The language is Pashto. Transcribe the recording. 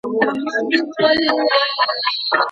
که جبري نکاح وسي زيانونه به يې ډير وي.